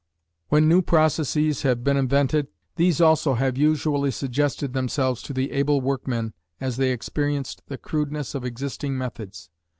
When new processes have been invented, these also have usually suggested themselves to the able workmen as they experienced the crudeness of existing methods.